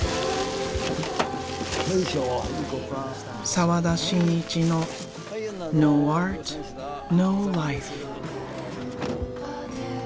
澤田真一のｎｏａｒｔ，ｎｏｌｉｆｅ。